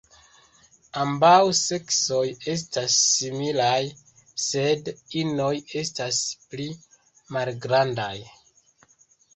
Ambaŭ seksoj estas similaj, sed inoj estas pli malgrandaj.